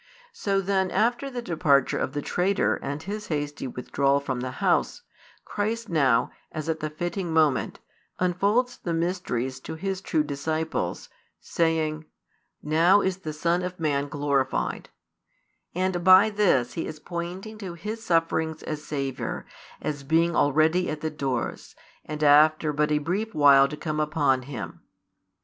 So then, after the departure of the traitor and his hasty withdrawal from the house, Christ now, as at the fitting moment, unfolds the mysteries to His true disciples, saying: Now is the Son of Man glorified; and by this He is pointing to His sufferings as Saviour, as being already at the doors, and after but a brief while to come |209 upon Him.